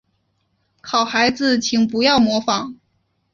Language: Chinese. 好孩子请不要模仿